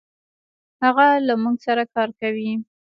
هغه له مونږ سره کار کوي.